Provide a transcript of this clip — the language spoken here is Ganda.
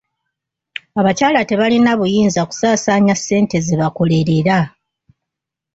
Abakyala tebalina buyinza kusaasaanya ssente ze bakolerera.